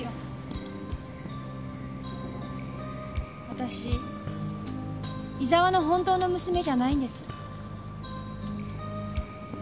私伊沢の本当の娘じゃないんです。